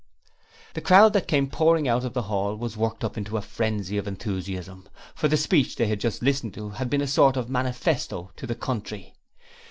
The crowd that came pouring out of the hall was worked up to a frenzy of enthusiasm, for the speech they had just listened to had been a sort of manifesto to the country.